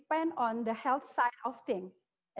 banyak hal ini bergantung pada